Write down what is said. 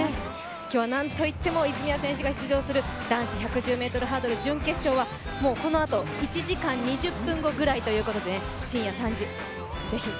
今日は何と言っても泉谷選手が出場する男子１１０ｍハードル準決勝はもうこのあと１時間２０分後ぐらいということで深夜３時、ぜひ。